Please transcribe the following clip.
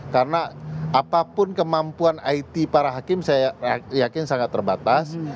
karena apapun kemampuan it para hakim saya yakin sangat terbatas